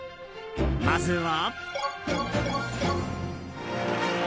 まずは。